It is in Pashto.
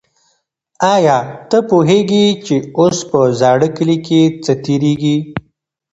آیا ته پوهېږې چې اوس په زاړه کلي کې څه تېرېږي؟